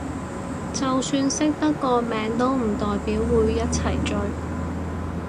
就算識得個名都唔代表會一齊追